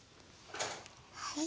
はい。